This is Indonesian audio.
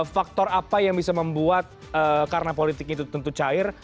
faktor apa yang bisa membuat karena politik itu tentu cair